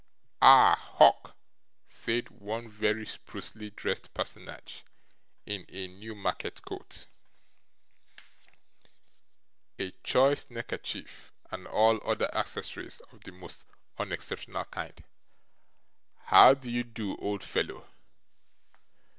'Ah! Hawk,' said one very sprucely dressed personage in a Newmarket coat, a choice neckerchief, and all other accessories of the most unexceptionable kind. 'How d'ye do, old fellow?